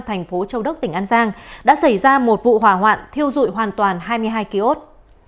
tp châu đức tỉnh an giang đã xảy ra một vụ hỏa hoạn thiêu dụi hoàn toàn hai mươi hai ký ốt